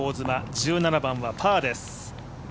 １７番はパーです。